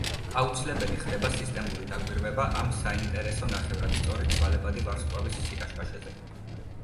აუცილებელი ხდება სისტემური დაკვირვება ამ საინტერესო ნახევრად სწორი, ცვალებადი ვარსკვლავის სიკაშკაშეზე.